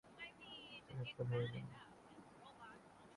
وہ سخت ہرجانوں کا وعدہ کر چُکا ہے